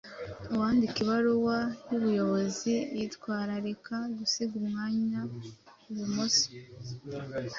Uwandika ibaruwa y’ubuyobozi, yitwararika gusiga umwanya ibumoso